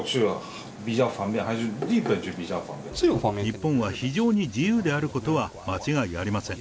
日本は非常に自由であることは間違いありません。